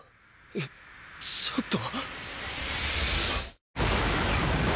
えちょっと。